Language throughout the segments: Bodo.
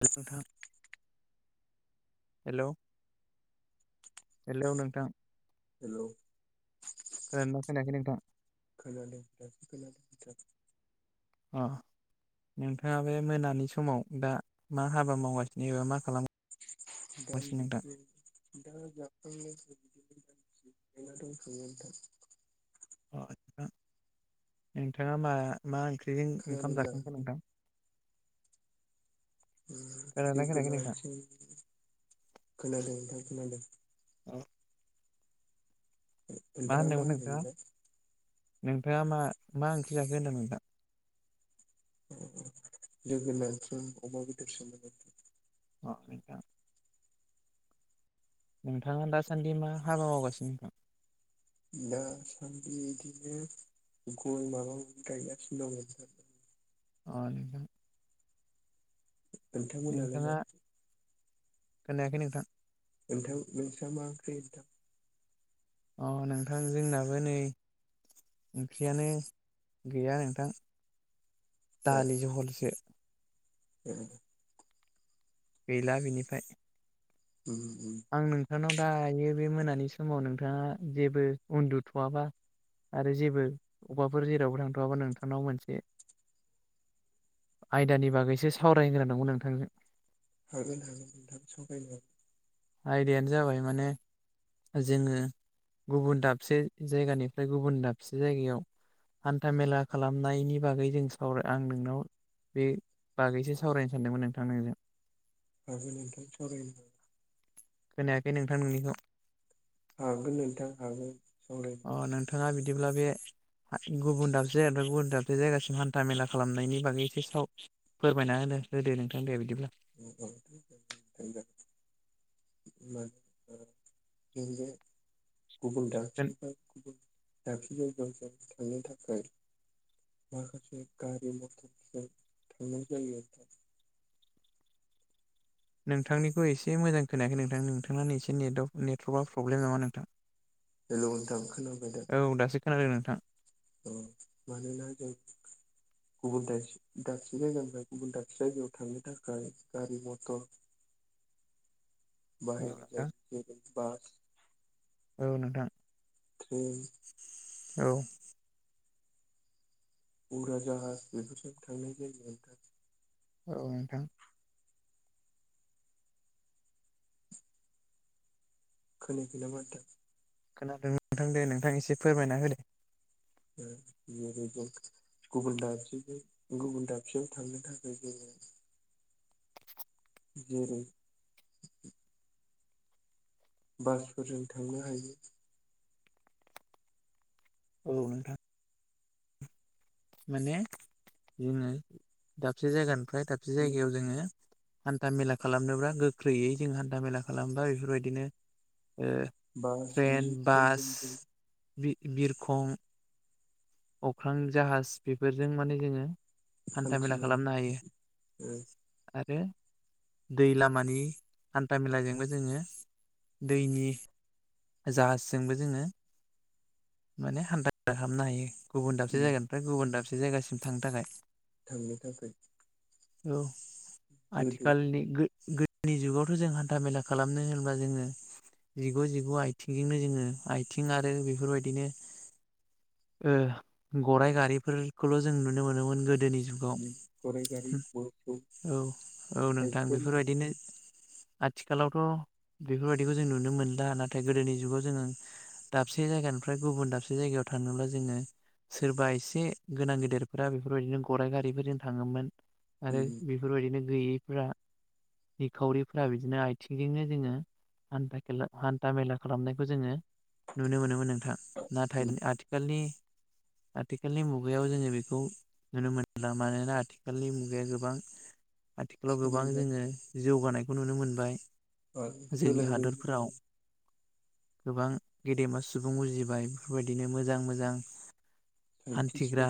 [unintelligible] हेल' हेल' नोंथां हेल खोनादोंना खोनायाखै नोंथां अ नोंथाङा बे मोनानि समाव दा मा हाबा मावगासिनो एबा मा खालामगासिनो नोंथां [unintelligible] [unintelligible] अ नोंथां नोंथाङा मा मा ओंख्रि [unintelligible] खोनादों ओंखाम दा जाखांखो नोंथां खोनादोंना खोनायाखै नोंथां जोगोनारजों खोनादों नोंथां खोनादों [unintelligible] ओ नोंथाङा मा होनदोंमोन नोंथाङा होनदोमोनलाय? नोंथाङा मा मा ओंख्रि जाखो होनदों नोंथां? जोगोनारजों अमा बेदेरसोमोन [unintelligible] नोंथाङा दासान्दि मा हाबा मावगासिनो नोंथां? दा सानदि इदिनो गय माबा माबि गायगासिनो दं नोंथां अ नोंथां नोंथांमोनालाय मा नोंथाङा खोनायाखै नोंथां नोंथां नोंस्रा मा ओंख्रि नोंथां? अ नोंथां जोंनाबो नै ओंख्रियानो गैया नोंथां दालि जहलसो ए गैला बिनिफ्राय उम उम आं नोंथांनाव दायो बे मोनानि समाव नोंथाङा जेबो उन्दुथ'वाबा? आरो जेबो अबावबाफोर जेरावबो थांथ'वाबा नोंथांनाव मोनसे आयदानि बागैसो सावरायगोनां दंमोन नोंथांजों हागोन हागोन नोंथां सावरायनो आयदायानो जाबाय माने जोङो गुबुन दाबसे जायगानिफ्राय गुबुन दाबसे जायगायाव हान्था मेला खालामनायनि बागै जों सावराय आं नोंनाव बे बागैसो सावरायनो सानदोंमोन नोंथां नोंजों अ दे नोंथां सावराय खोनायाखै नोंथां नोंनिखौ हागोन नोंथां हागोन सावराय अ नोंथाङा बिदिब्ला बे गुबुन दाबसे गुबुन दाबसे जायगासिम हान्था मेला खालामनायनि बागै एसे साव फोरमायना होदो होदो नोंथां दे बिदिब्ला [unintelligible] [unintelligible] गुबुन दाबसे गुबुन दाबसे जायगायाव जों थांनो थाखाय माखासे गारि मटरफोरजों थांनाय जायो नोंथांनिखौ एसे मोजां खोनायाखै नोंथां नोंथांनो एसे नेट नेटवर्कआ प्रब्लेम नामा नोंथां? हेलौ नोंथां खोनाबाय दा औ दासो खोनादों नोंथां औ मानोना जों गुबुन दा दाबसे जायगानिानिफ्राय गुबुन दाबसे जायगायाव थांनो थाखाय गारि मटर [inaudible] बाहेर नोंथां जायफोर बास औ नोंथां [unintelligible] औ उरा जाहाज बेफोरजों थांनाय जायो नोंथां अ नोंथां खोनायाखै नामा नोंथां खोनादों नोंथां दे नोंथां एसे फोरमायना हो दे [inaudible] गुबुन दाबसेजों गुबुन दाबसेयाव थांनो थाखाय जोङो जेरै बासफोरजों थांनो हायो औ नोंथां माने जोङो दाबसे जायगानिफ्राय दाबसे जायगायाव जोङो हान्था मेला खालामनोब्ला गोख्रैयै जों हान्था मेला खालामोबा बेफोरबायदिनो बास ट्रेन बिदि बास ट्रेनजों जों बि बिरखं अख्रां जाहाज बेफोरजों माने जोङो हान्था मेला हान्थिनो खालामनो हायो हायो आरो दै लामानि हान्था मेलाजोंबो जोङो दैनि जाहाजजोंबो जोङो माने हान्थाेला खालामनो हायो गुबुन दाबसे जायगानिफ्राय गुबुन दाबसे जायगासिम थांनो थाखाय थांनो थाखाय औ गोदो आथिखालनि गोदोनि जुगावथ' जों हान्था मेला खालामनो होनोबा जोङो जिगु जिगु आथिंजोंनो जोङो आथिं आरो बेफोरबायदिनो गरराइ गारिफोरखौल' जों नुनो मोनोमोन गोदोनि जुगाव गराइ गारि मोसौ औ औ नोंथां साइकेल बेफोरबायदिनो आथिखालावथ' बेफोरबायदिखौ जों नुनो मोनला नाथाय गोदोनि जुगाव जोङो दाबसे जायगानिफ्राय गुबुन दाबसे जायगायाव थानोब्ला जोङो सोरबा एसे गोनां गेदेरफोरा बेफोरबायदिनो गराइ गारिफोरजों थाङोमोन आरो बेफोरबायदिनो गैयै फोरा निखावरिफ्रा बिदिनो आथिंजोंनो जोङो हान्थाेला हान्था मेला खालामनायखौ जोङो नुनो मोनोमोन नोंथां नाथाय आथिालनि आथिखालनि मुगा मुगायाव जोङो बेखौ नुनो मोनला मानोना आथिखालनि मुगाया गोबां आथिखालाव गोबां सोलोंबाय जोङो जौगानायखौ नुनो मोनबाय जोंनि सोलोंदों हादरफोराव गोबां गेदेमा सुबुं उजिबाय बेफोरबायदिनो मोजां मोजां मोजां हान्थिग्रा साइन्टिस्टफोर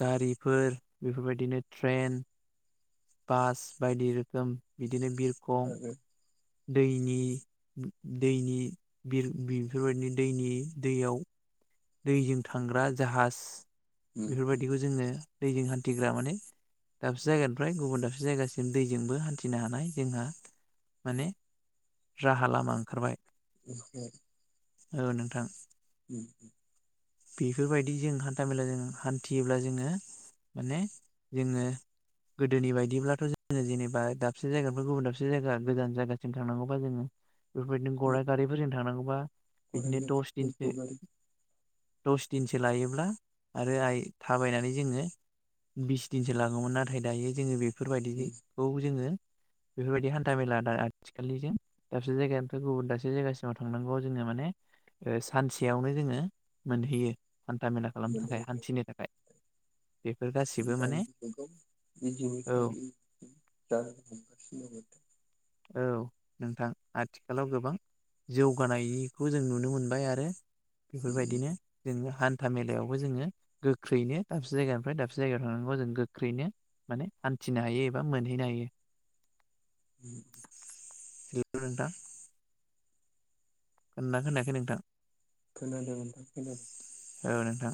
गारिफोर बेफोरबायदिनो ट्रेन बास बायदि रोखोम बिदिनो बिर आरो दैनि दैनिरफोरबायदिनो दैनि दैयाव दैजों थांग्रा जाहाज बेफोरबायदिखौ जोङो दैजों हान्थिग्रा माने दाबसे जायगानिफ्राय गुबुन दाबसे जायगासिम दैजोंबो हान्थिनो हानाय जोंहा माने राहा लामा ओंखारबाय उ औ नोंथां उ बेफोरबायदि जों हान्था मेला जों हान्थियोब्ला जोङो माने जोङो गोदोनि बायदिब्लाथ' जोङो जेनेबा दाबसे जायगानिफ्राय गुबुन दाबसे जायगा गोजान जायगासिम थांनांगौबा जोङो बेफोरबायदिनो गराइ गारिफोरजों थांनांगौबा गराइ बिदिनो गारि दस मोसौ दिनसो गारि दस दिनसो लायोब्ला आरो आइ थाबायनानै जोङो बिस दिनसो लाङोमोन नाथाय दायो जोङो बेफोरबायदिखौ जोङो बेफोरबायदि हान्था मेला दा आथिखाललिजों दाबसे जायगानिफ्राय गुबुन दाबसे जायगासिमाव थांनांगौ जोंङो माने म सानसेयावनो जोङो मोनहैयो हान्था मेला खालामनो थाखाय हान्थिनो थाखाय बेफोर गासिबो माने दा औ बेखौ जा औ नोंथां आथिखालाव गोबां जौगानायनिखौ जों नुनो मोनबाय आरो नोंथां उम बेफोरबायदिनो [unintelligible] हान्था मेलायावबो जोङो गोख्रैनो दाबसे जायगानिफ्राय दाबसे जायगायाव थांनांगौ जों गोख्रैनो माने हान्थिनो हायो एबा मोनहैनो हायो [unintelligible] हेल' नोंथां खोनादोंना खोनायाखै नोंथां खोनादों नोंथां खोनादों औ नोंथां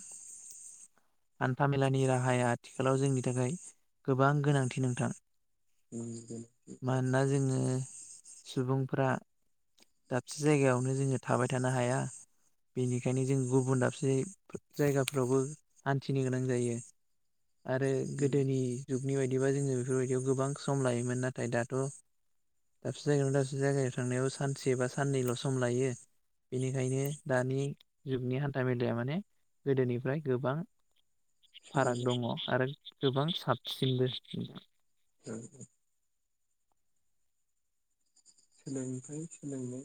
हान्थामेलानि राहाया आथिखालाव जोंनि थाखाय गोबां गोनांथि नोंथां बेनोसै आरो मानोना जोङो सुबुंफ्रा दाबसे जायगायावनो जोङो थाबाय थानो हाया बेनिखायनो जों गुबुन दाबसे जायगाफ्रावबो हान्थिनो गोनां जायो आरो उम गोदोनि जुगनि बायदिबा जोङो बेफोरबायदियाव गोबां सम लायोमोन नाथाय दाथ' दाबसे जायगायाव दाबसे जायगायाव थांनायाव सानसे बा साननैल' सम लायो बेनिखायनो दानि जुगनि हान्थ मेलाया माने गोदोनिफ्राय गोबां फाराग सोलायबाय दङ आरो गोबां साबसिनबो [unintelligible] सोलोंथाय सोलोंनाय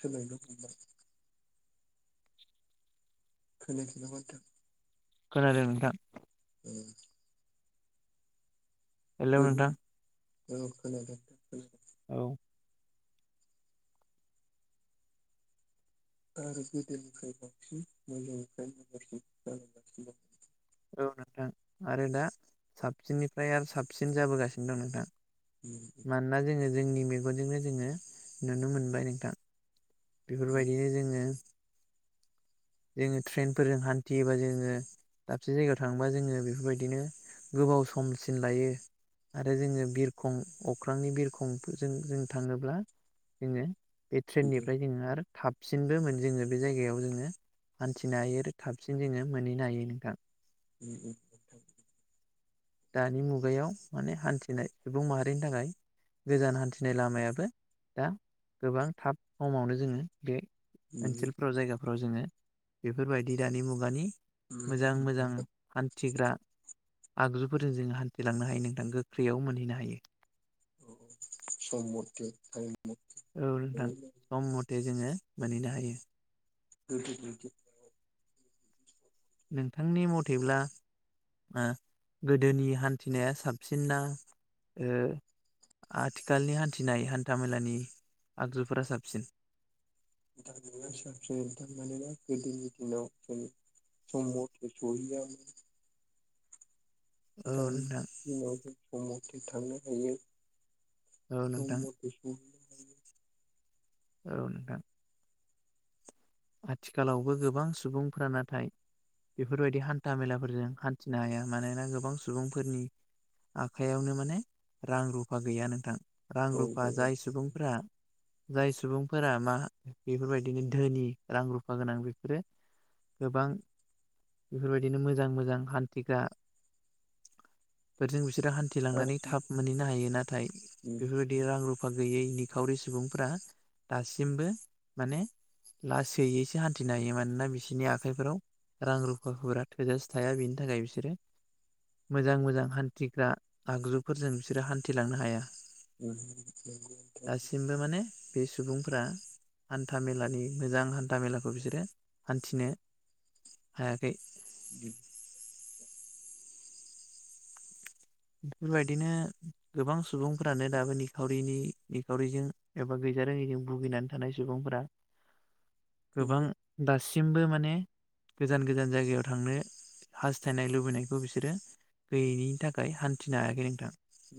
सोलायनो हमबाय खोनायाखै नामा नोंथां खोनादों नोंथां उम हेल' गोदो नोंथां औ खोनादों थिगखौनो औ आरो गोदोनिफ्राय बांसिन मोजांनिफ्राय मोजां जाबोनो हमदों औ नोंथां आरो दा साबसिननिफ्राय आरो साबसिन जाबोगासिनो दं नोंथां उम मानोना जोङो जोंनि मेगनजोंनो जोङो नुनो मोनबाय नोंथां उम बेफोरबायदिनो जोङो जोङो ट्रेनफोरजों हान्थियोबा जोङो दाबसे जायगायाव थांबा जोङो बेफोरबायदिनो गोबाव समसिन लायो आरो जोङो बिरखं अख्रांनि बिरखंजों जों थाङोब्ला जोङो बे बिदि ट्रेननिफ्राय जोङो आरो थाबसिनबो मोन जोङो बे जायगायाव जोङो हान्थिनो हायो आरो थाबसिन जोङो मोनहैनो हायो नोंथां उम उम दानि मुगायाव माने हान्थिनाय सुबुं माहारिनि थाखाय गोजान हान्थिनाय लामायाबो दा गोबां थाब समावनो जोङो बे उम उम ओनसोलफ्राव जायगाफ्राव जोङो बेफोरबायदि दानि मुगानि उम मोजां उम मोजां नोंथां हान्थिग्रा आगजुफोरजों जोङो हान्थिलांनो हायो नोंथां गोख्रैयाव मोनहैनो हायो सम मथे हायो औ नोंथां सम मथे जोङो मोनहैनो हायो [unintelligible] नोंथांनि मथेब्ला आ गोदोनि हान्थिनाया साबसिनना ओ आथिखालनि हान्थिनाय हान्थामेलानि आगजुफोरा साबसिन [unintelligible] मानोना गोदोनि दिनाव जायो सम मथे सौहैयामोन औ दानि नोंथां दिनाव जों सम मथे थांनो हायो औ सम नोंथां मथे सौहैयो औ नोंथां आथिखालावबो गोबां सुबुंफोरा नाथाय बेफोरबायदि हान्था मेलाफोरजों हान्थिनो हाया मानोना गोबां सुबुंफोरनि आखायावनो माने रां रुफा गैया नोंथां रां हायो औ रुफा आरो जाय सुबुंफोरा जाय सुबुंफोरा मा बेफोरबायदिनो धोनि रां रुफा गोनां बेफोरो गोबां बेफोरबायदिनो मोजां मोजां हान्थिग्रा फोरजों बिसोर बिसोरो हान्थि लांनानै थाब मोनहैनो हायो नाथाय बेफोरबायदि रां रुफ फा गैयै निखावरि सुबुंफ्रा दासिमबो माने लासैयैसो हान्थिनो हायो मानोना बिसोरनि आखाइफोराव रां रुफाफोरा थोजासे थाया बिनि थाखाय बिसोरो मोजां मोजां हान्थिग्रा आगजुफोरजों बिसोरो हान्थिलांनो हाया दासिमबो माने बे सुबुंफ्रा हान्था मेलानि मोजां हान्था मेलाखौ बिसोरो हान्थिनो हायाखै [inaudible] बेफोरबायदिनो गोबां सुबुंफोरानो दाबो निखावरिनि निखावरिजों एबा जों भुगिनानै थानाय सुबुंफोरा गोबां दासि मबो माने गोजान गोजान जायगायाव थांनो हास्थायनाय लुबैनायखौ बिसोरो गैयैनि थाखाय हान्थिनो हायाखै नोंथां उ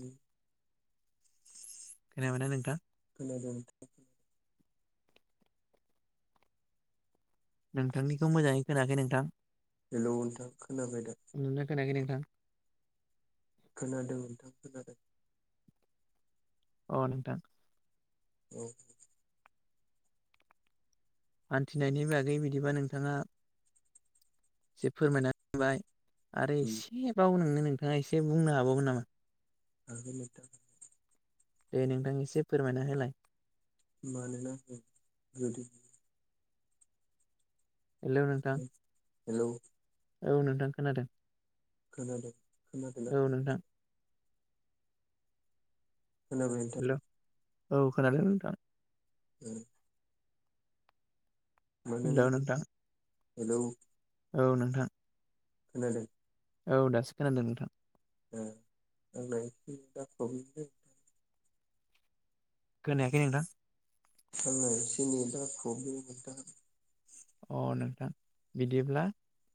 खोनाबाय ना नोंथां खोनादों नोंथांनिखौ मोजाङै खोनाखै नोंथां हेलौ नोंथां खोनाबाय दा नोंना [inaudible] खोनादों नोंथां खोनादों अ नोंथां औ हान्थिनायनि बागै बिदिबा नोंथाङा फोरमायना होबाय आरो एसेबाव नोंनो नोंथाङा एसे बुंनो हाबावगोन नामा हागोन नोंथां दे नोंथां एसे फोरमायना होलाय मानोना जुदि हेलौ नोंथां हेलौ औ नोंथां खोनादों खोनादों खोनादोंना औ खोनादों नोंथां खोनाबाय नोंथां हेलौ औ खोनादों नोंथां उ हेलौ जों नोंथां हेलौ औ नोंथां खोनादों औ दासो खोनादों नोंथां। ओ आंना [unintelligible] खोनायाखै नोंथां। आंना एसे नेट आ प्रब्लेम नोंथां। अ नोंथां बिदिब्ला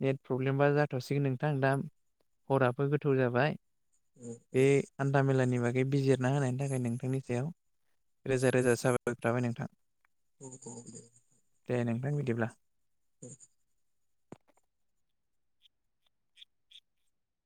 नेट प्रब्लेमबा जाथ'सिगोन नोंथां दा हराबो गोथौ जाबाय ओ बे हानथा मेलानि बागै बिजिरना होनायनि थाखाय नोंथांनि सायाव रोजा रोजा साबायखर थाबाय नोंथां। औ औ दे। दे नोंथां बिदिब्ला। औ